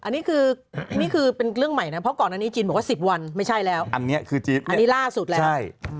อันนี้คือเป็นเรื่องใหม่นะเพราะก่อนอันนี้จีนบอกว่า๑๐วันไม่ใช่แล้วอันนี้ล่าสุดแล้ว